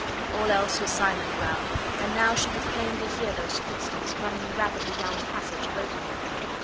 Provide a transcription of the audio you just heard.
All else was silent round, and now she could plainly hear those footsteps running rapidly down the passage away from her.